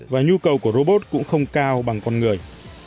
và nhu cầu của robot cũng không cao bằng con người